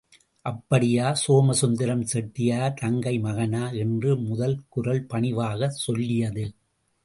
அப்படியா சோமசுந்தரம் செட்டியார் தங்கை மகனா என்று முதல் குரல் பணிவாகச் சொல்லியது.